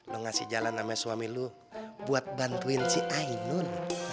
lo ngasih jalan sama suami lu buat bantuin si ainun